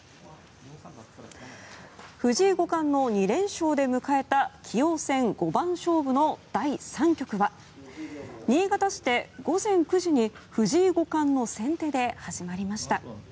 藤井五冠の２連勝で迎えた棋王戦五番勝負の第３局は新潟市で午前９時に藤井五冠の先手で始まりました。